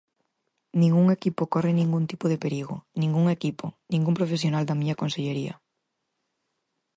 Ningún equipo corre ningún tipo de perigo, ningún equipo, ningún profesional da miña consellería.